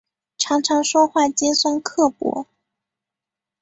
常常说话尖酸刻薄